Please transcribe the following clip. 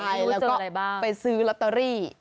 ใช่แล้วก็ไปซื้อลอตเตอรี่